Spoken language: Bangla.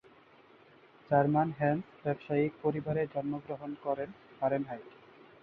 জার্মান হ্যান্স ব্যবসায়িক পরিবারে জন্মগ্রহণ করেন ফারেনহাইট।